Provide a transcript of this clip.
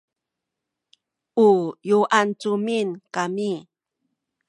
u yuancumin kami